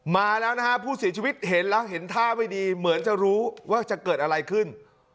มาแล้วนะฮะผู้เสียชีวิตเห็นแล้วเห็นท่าไม่ดีเหมือนจะรู้ว่าจะเกิดอะไรขึ้น